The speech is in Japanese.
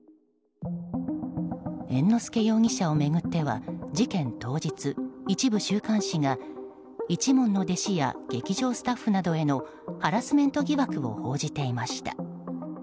猿之助容疑者を巡っては事件当日一部週刊誌が一門の弟子や劇場スタッフなどへのハラスメント疑惑を報じていました。